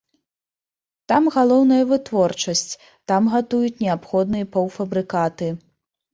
Там галоўная вытворчасць, там гатуюць неабходныя паўфабрыкаты.